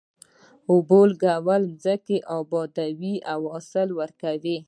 اوبو لګول ځمکه ابادوي او حاصل ورکوي.